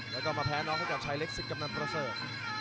แล้วก็มาแพ้น้องเข้ากับชายเล็กซิกกับน้ำประเสริฐ